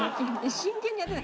真剣にやってる。